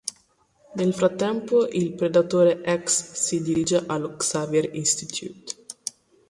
Nel frattempo, il Predatore X si dirige allo Xavier Institute.